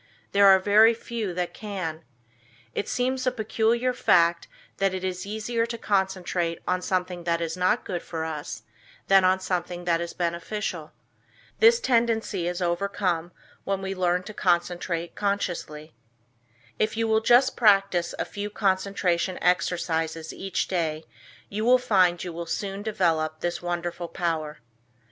There are very few that can. It seems a peculiar fact that it is easier to concentrate on something that is not good for us, than on something that is beneficial. This tendency is overcome when we learn to concentrate consciously. If you will just practice a few concentration exercises each day you will find you will soon develop this wonderful power.